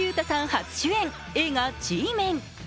初主演映画「Ｇメン」。